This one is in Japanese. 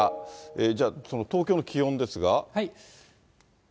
じゃあ、その東京の気温ですが。